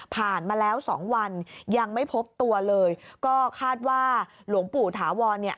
มาแล้วสองวันยังไม่พบตัวเลยก็คาดว่าหลวงปู่ถาวรเนี่ย